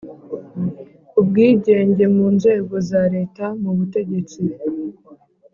ubwigenge mu nzego za Leta mu butegetsi